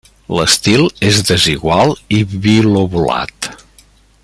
L'estil és desigual i bilobulat.